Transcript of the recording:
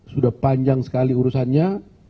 sudah panjang sekali urusannya